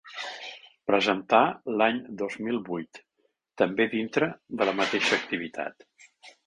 Presentar l’any dos mil vuit , també dintre de la mateixa activitat.